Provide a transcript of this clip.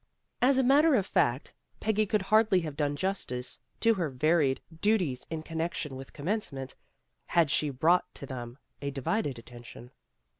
As a matter of fact, Peggy could hardly have done justice to her varied duties in connection with Commencement, had she brought to them a divided attention.